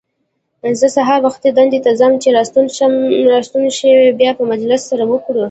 زه سهار وختي دندې ته ځم، چې راستون شوې بیا به مجلس سره وکړو.